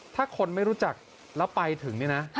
ถ้าคนไม่รู้จักแล้วไปถึงนี่นะ